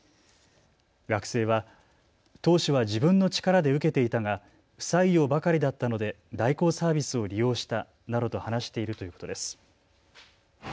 学生は当初は自分の力で受けていたが不採用ばかりだったので代行サービスを利用したなどと話しているということです。